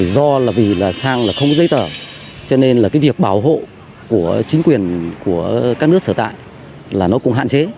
do là vì là sang là không có giấy tờ cho nên là cái việc bảo hộ của chính quyền của các nước sở tại là nó cũng hạn chế